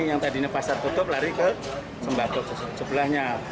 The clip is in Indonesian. yang tadinya pasar tutup lari ke sembah kota sebelahnya